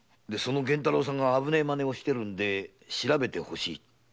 源太郎さんが危ないまねをしてるので調べてほしいってわけで？